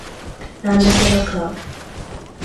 ランドセルを買う